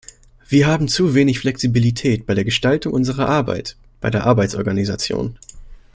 Wir haben zu wenig Flexibilität bei der Gestaltung unserer Arbeit, bei der Arbeitsorganisation.